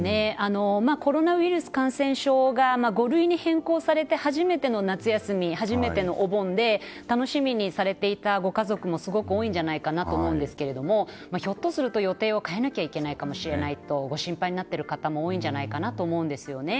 コロナウイルス感染症が５類に変更されて初めての夏休み、初めてのお盆で楽しみにされていたご家族もすごく多いんじゃないかなと思うんですけれども予定を変えなければいけないかもしれないとご心配になっている方も多いんじゃないかなと思うんですね。